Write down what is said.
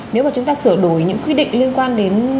nếu mà chúng ta sửa đổi những quy định liên quan đến